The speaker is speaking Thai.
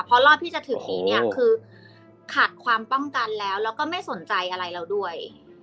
เพราะรอบที่จะถึงนี้เนี่ยคือขาดความป้องกันแล้วแล้วก็ไม่สนใจอะไรเราด้วย